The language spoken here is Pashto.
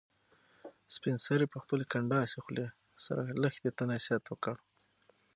سپین سرې په خپلې کنډاسې خولې سره لښتې ته نصیحت وکړ.